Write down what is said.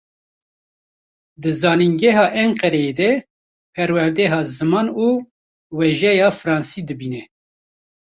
Di zanîngeha Enqereyê de, perwerdeya ziman û wêjeya fransî dibîne.